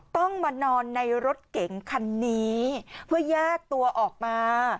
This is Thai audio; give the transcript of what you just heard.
ต้องมานอนในรถเก๋งคันนี้เพื่อแยกตัวออกมา